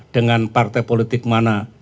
dengan partai politik mana